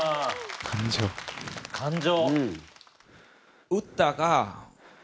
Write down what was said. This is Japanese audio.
感情。